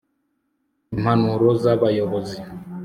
impanuro z'abayobozi